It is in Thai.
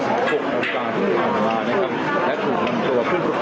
ตั้งแต่เวลา๖นาทีกว่าถูกถูกถูกมานะครับและถูกควบคุมตัว